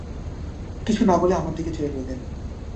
কিছু না বলে আমার দিকে চেয়ে রইলেন।